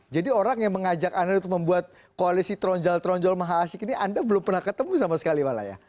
jadi orang yang mengajak anda untuk membuat koalisi tronjol tronjol maha asik ini anda belum pernah ketemu sama sekali malah ya